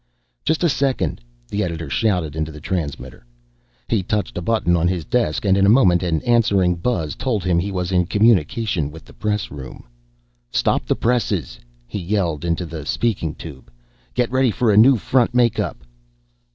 "Just a second," the editor shouted into the transmitter. He touched a button on his desk and in a moment an answering buzz told him he was in communication with the press room. "Stop the presses!" he yelled into the speaking tube. "Get ready for a new front make up!"